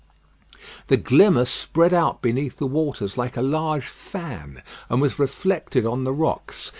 The glimmer spread out beneath the waters like a large fan, and was reflected on the rocks.